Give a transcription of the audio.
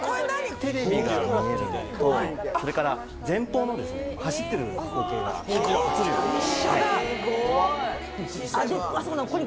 テレビが見られるのと、それから前方のですね、走ってる光景が映るように。